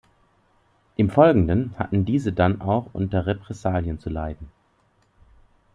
Im Folgenden hatten diese dann auch unter Repressalien zu leiden.